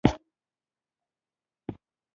دا پېښې ته لیوفیلیزیشن ویل کیږي.